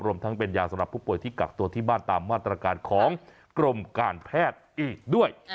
รวมทั้งเป็นยาสำหรับผู้ป่วยที่กักตัวที่บ้านตามมาตรการของกรมการแพทย์อีกด้วย